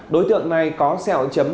đối tượng này có xeo chấm